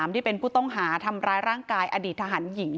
ที่เป็นผู้ต้องหาทำร้ายร่างกายอดีตทหารหญิง